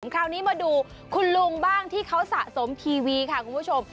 คราวนี้มาดูคุณลุงบ้างที่เขาสะสมทีวีค่ะคุณผู้ชม